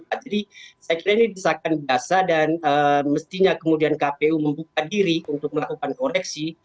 jadi saya kira ini bisa akan biasa dan mestinya kemudian kpu membuka diri untuk melakukan koreksi